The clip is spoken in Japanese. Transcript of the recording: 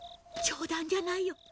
「冗談じゃないよ。